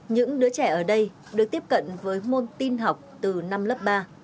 những đứa trẻ ở đây được tiếp cận với môn tin học từ năm lớp ba